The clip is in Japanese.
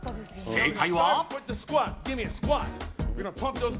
正解は。